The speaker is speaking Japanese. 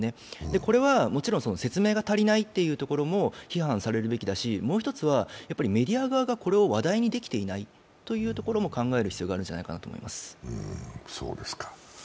これはもちろん説明が足りないというところも批判されるべきだしもう一つは、メディア側がこれを話題にできてないというところも考えなくてはいけないと思います。